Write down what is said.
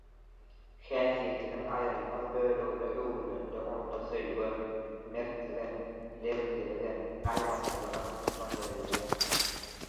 häsiýetiniň aýrylmaz bölegine öwrülende onda söýgem, mertligem, lebizliligem, gaýratlylygam, tutanýerliligem